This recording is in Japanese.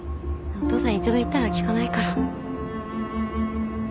お父さん一度言ったら聞かないから。